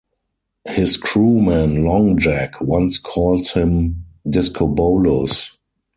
His crewman 'Long Jack' once calls him "Discobolus".